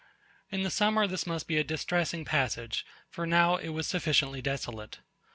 In the summer this must be a distressing passage; for now it was sufficiently desolate.